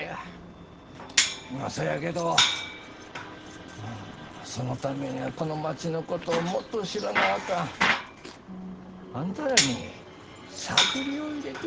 そやけどそのためにはこの町のことをもっと知らなあかん。あんたらに探りを入れてほしいのや。